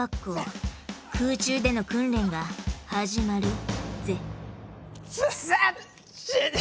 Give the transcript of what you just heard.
空中での訓練が始まるぜ！